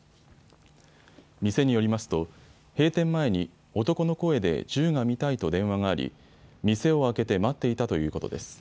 店によりますと閉店前に男の声で銃が見たいと電話があり店を開けて待っていたということです。